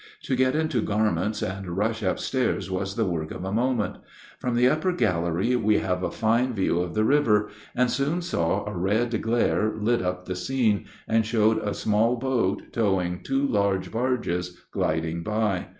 To get into garments and rush up stairs was the work of a moment. From the upper gallery we have a fine view of the river, and soon a red glare lit up the scene and showed a small boat, towing two large barges, gliding by.